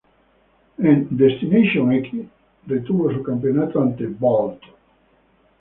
En Destination X retuvo su campeonato ante Bolt.